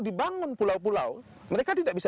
dibangun pulau pulau mereka tidak bisa